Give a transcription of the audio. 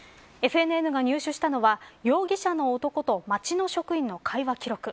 ＦＮＮが入手したのは容疑者の男と町の職員の会話記録。